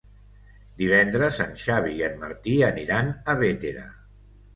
Divendres en Xavi i en Martí aniran a Bétera.